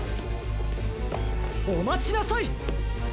おまちなさい！